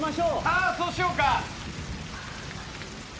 ああそうしようか。